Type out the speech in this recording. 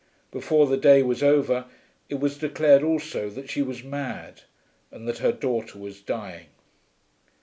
Before the day was over it was declared also that she was mad, and that her daughter was dying.